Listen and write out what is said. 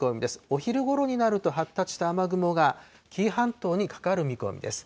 お昼ごろになると発達した雨雲が紀伊半島にかかる見込みです。